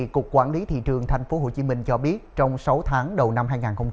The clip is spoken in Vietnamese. cục quản lý thị trường tp hcm cho biết trong sáu tháng đầu năm hai nghìn hai mươi